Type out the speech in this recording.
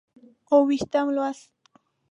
اووه ویشتم لوست